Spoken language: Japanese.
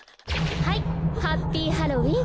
はいハッピーハロウィン！